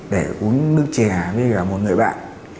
để uống nước chè với cả một người bạn